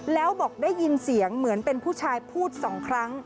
แล้วบอกได้ยินเสียงเหมือนเป็นผู้ชายพูดสองครั้ง